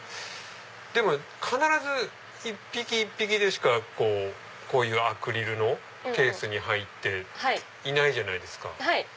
でも必ず一匹一匹でしかこういうアクリルのケースに入っていないじゃないですか。